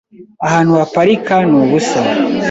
Ahantu haparika ni ubusa .